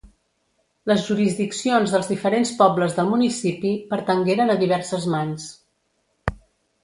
Les jurisdiccions dels diferents pobles del municipi pertangueren a diverses mans.